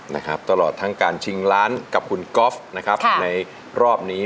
ตลอดทั้งการชิงล้านกับคุณก๊อฟนะครับในรอบนี้